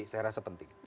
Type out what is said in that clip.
saya rasa penting